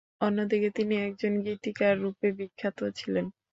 অন্যদিকে তিনি একজন গীতিকার রূপে বিখ্যাত ছিলেন।